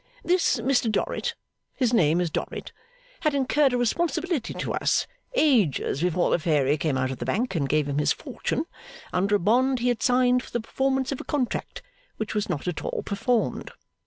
This Mr Dorrit (his name is Dorrit) had incurred a responsibility to us, ages before the fairy came out of the Bank and gave him his fortune, under a bond he had signed for the performance of a contract which was not at all performed.